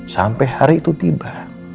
sampai hari itu tiba